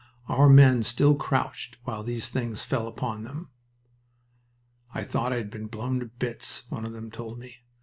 Our men still crouched while these things fell upon them. "I thought I had been blown to bits," one of them told me.